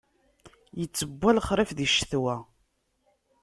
Ittewwa lexṛif di ccetwa.